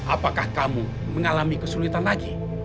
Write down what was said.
apakah kamu mengalami kesulitan lagi